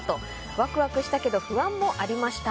ワクワクしたけど不安もありました。